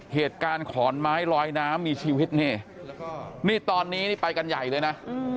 เหตุการณ์ขอนไม้ลอยน้ำมีชีวิตเนี่ยนี่ตอนนี้ไปกันใหญ่เลยนะ